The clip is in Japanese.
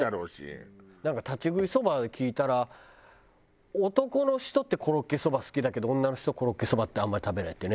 なんか立ち食いそば聞いたら男の人ってコロッケそば好きだけど女の人はコロッケそばってあんまり食べないってね。